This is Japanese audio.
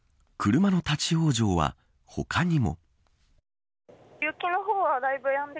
車の立ち往生は他にも。